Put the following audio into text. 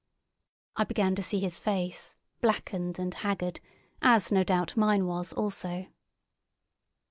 I began to see his face, blackened and haggard, as no doubt mine was also.